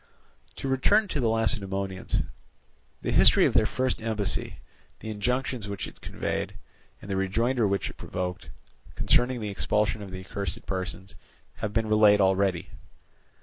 To return to the Lacedaemonians. The history of their first embassy, the injunctions which it conveyed, and the rejoinder which it provoked, concerning the expulsion of the accursed persons, have been related already.